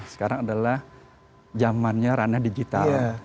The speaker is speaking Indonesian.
sekarang adalah zamannya ranah digital